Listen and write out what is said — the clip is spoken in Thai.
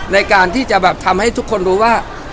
ในการที่จะแบบทำให้ทุกคนรู้ว่า